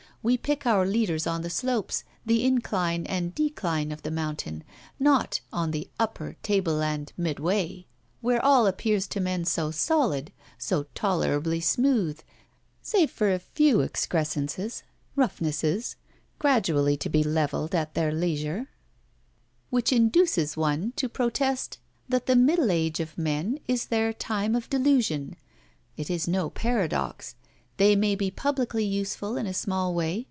We pick our leaders on the slopes, the incline and decline of the mountain not on the upper table land midway, where all appears to men so solid, so tolerably smooth, save for a few excrescences, roughnesses, gradually to be levelled at their leisure; which induces one to protest that the middle age of men is their time of delusion. It is no paradox. They may be publicly useful in a small way.